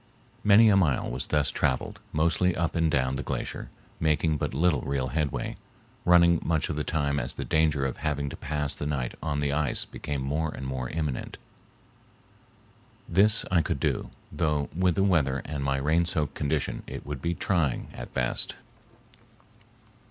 Many a mile was thus traveled, mostly up and down the glacier, making but little real headway, running much of the time as the danger of having to pass the night on the ice became more and more imminent. This I could do, though with the weather and my rain soaked condition it would be trying at best.